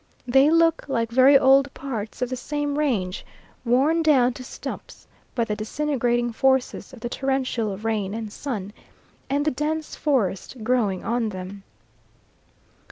They look like very old parts of the same range worn down to stumps by the disintegrating forces of the torrential rain and sun, and the dense forest growing on them.